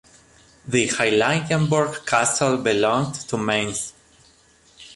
The Heiligenburg Castle belonged to Mainz.